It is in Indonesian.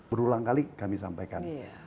berulang kali kami sampaikan